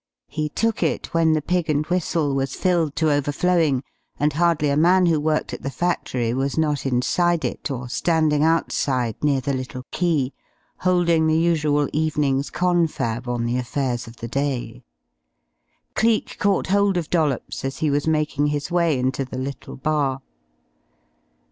He took it when the "Pig and Whistle" was filled to overflowing, and hardly a man who worked at the factory was not inside it or standing outside near the little quay, holding the usual evening's confab on the affairs of the day. Cleek caught hold of Dollops as he was making his way into the little bar.